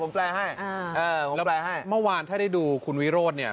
เมื่อวานถ้าได้ดูคุณวิโรธเนี่ย